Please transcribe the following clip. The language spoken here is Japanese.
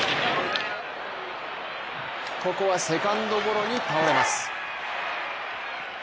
ここはセカンドゴロに倒れます。